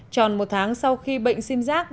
tròn một tháng sau khi bệnh sim giác